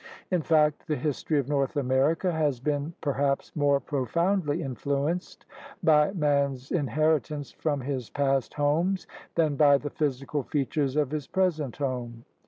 In fact, the history of North America has been per haps more profoundly influenced by man's inherit ance from his past homes than by the physical features of his present home.